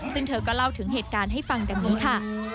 ซึ่งเธอก็เล่าถึงเหตุการณ์ให้ฟังดังนี้ค่ะ